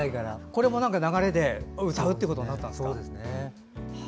これも流れで歌うことになったんですか。